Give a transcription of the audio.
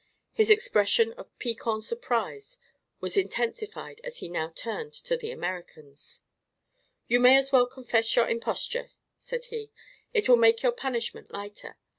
His expression of piquant surprise was intensified as he now turned to the Americans. "You may as well confess your imposture," said he. "It will make your punishment lighter.